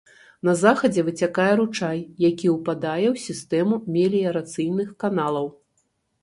На захадзе выцякае ручай, які ўпадае ў сістэму меліярацыйных каналаў.